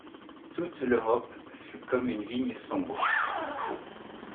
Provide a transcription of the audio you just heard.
Toute l'Europe fut comme une vigne sombre.